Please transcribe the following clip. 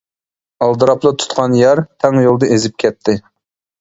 ئالدىراپلا تۇتقان يار، تەڭ يولدا ئېزىپ كەتتى.